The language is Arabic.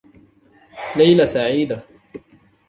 ليلة سعيدة.